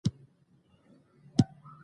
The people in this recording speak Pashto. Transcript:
دا پر منډلینډ د ولکې ټینګولو یوازینۍ لاره وه.